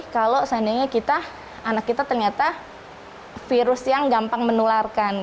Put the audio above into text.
kalau seandainya kita anak kita ternyata virus yang gampang menularkan